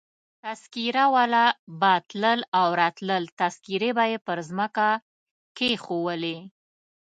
تذکیره والا به تلل او راتلل، تذکیرې يې پر مځکه کښېښولې.